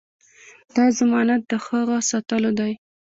دا ضمانت د هغه ساتلو دی.